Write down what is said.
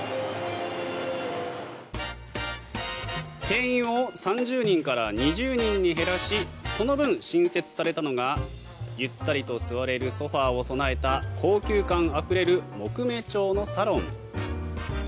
定員を３０人から２０人に減らしその分、新設されたのがゆったりと座れるソファを備えた高級感あふれる木目調のサロン。